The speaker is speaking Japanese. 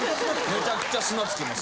めちゃくちゃ砂つきます。